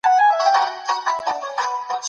په ټولنه کي بدلون راولئ چي پرمختګ وسي.